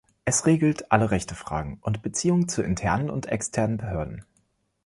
Es regelt alle Rechtefragen und Beziehungen zu internen und externen Behörden.